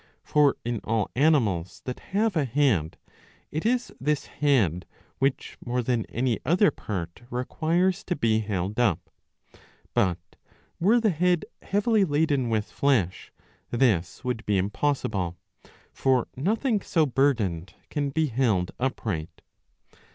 For, in all animals that have a fi66b. ii. 10. 45 head, it is this head which more than any other part requires to be held up. But, were the head heavily laden with flesh, this would be impossible ; for nothing so burdened can be held upright.